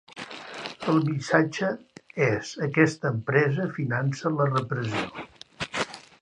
El missatge és ‘Aquesta empresa finança la repressió’.